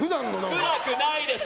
暗くないです。